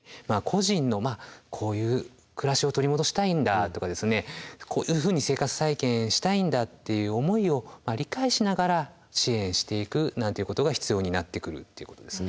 個人のこういう暮らしを取り戻したいんだとかこういうふうに生活再建したいんだっていう思いを理解しながら支援していくなんていうことが必要になってくるということですね。